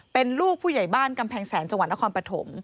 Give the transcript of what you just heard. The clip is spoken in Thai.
เป็นลูกผู้ใหญ่บ้านกำแพงแสนจังหวัดนครปฐม